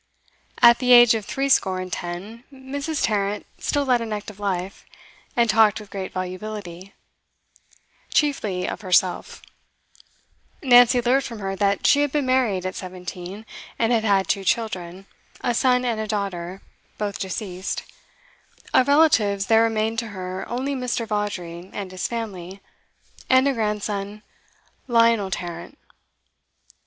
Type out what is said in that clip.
At the age of three score and ten, Mrs. Tarrant still led an active life, and talked with great volubility, chiefly of herself; Nancy learnt from her that she had been married at seventeen, and had had two children, a son and a daughter, both deceased; of relatives there remained to her only Mr Vawdrey and his family, and a grandson, Lionel Tarrant.